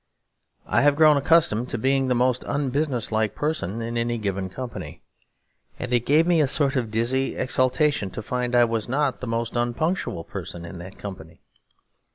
I have grown accustomed to being the most unbusinesslike person in any given company; and it gave me a sort of dizzy exaltation to find I was not the most unpunctual person in that company.